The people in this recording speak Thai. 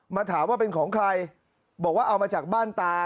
มาถามว่าเป็นของใครบอกว่าเอามาจากบ้านตา